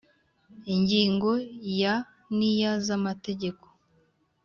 Ingingo ya n iya z Amategeko